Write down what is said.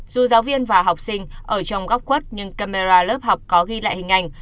dù giáo viên và học sinh ở trong góc quất nhưng camera lớp học có ghi lại hình ảnh